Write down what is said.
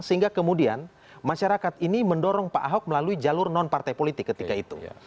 sehingga kemudian masyarakat ini mendorong pak ahok melalui jalur non partai politik ketika itu